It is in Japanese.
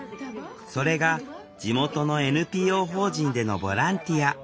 それが地元のＮＰＯ法人でのボランティア。